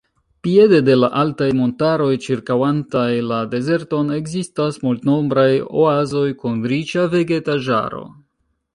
Piede de la altaj montaroj ĉirkaŭantaj la dezerton ekzistas multnombraj oazoj kun riĉa vegetaĵaro.